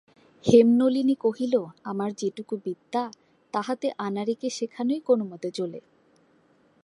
হেমনলিনী কহিল, আমার যেটুকু বিদ্যা, তাহাতে আনাড়িকে শেখানোই কোনোমতে চলে।